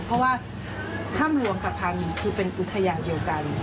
เพราะว่าถ้ำหลวงกับพังคือเป็นอุทยานเดียวกัน